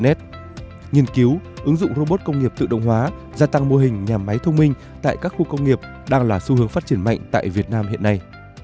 nghiên cứu ứng dụng robot công nghiệp tự động hóa gia tăng mô hình nhà máy thông minh tại các khu công nghiệp đang là xu hướng phát triển mạnh tại việt nam hiện nay